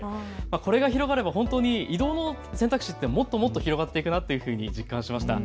これが広がれば本当に移動の選択肢って、もっともっと広がっていくなと実感しました。